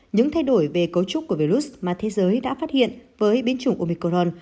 những thay đổi về cấu trúc của virus mà thế giới đã phát hiện với biến chủng omicorn